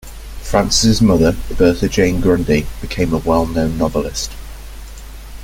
Francis' mother, Bertha Jane Grundy, became a well-known novelist.